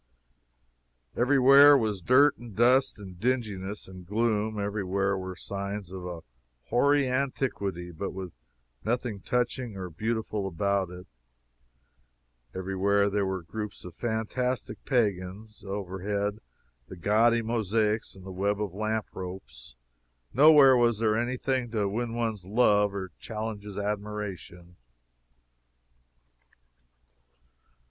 Every where was dirt, and dust, and dinginess, and gloom; every where were signs of a hoary antiquity, but with nothing touching or beautiful about it; every where were those groups of fantastic pagans; overhead the gaudy mosaics and the web of lamp ropes nowhere was there any thing to win one's love or challenge his admiration.